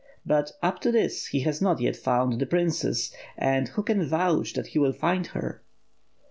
But, up to this, he has not yet found the princess; and who can vouch that he will find her?"